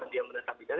dia menetap di sana